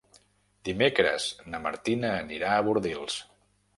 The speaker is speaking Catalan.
Dimecres na Martina anirà a Bordils.